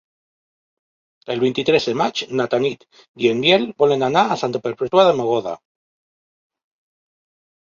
El vint-i-tres de maig na Tanit i en Biel volen anar a Santa Perpètua de Mogoda.